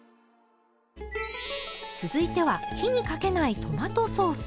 続いては火にかけないトマトソース。